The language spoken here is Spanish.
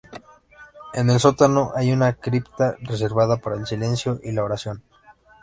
En el sótano hay una cripta, reservada para el silencio y la oración.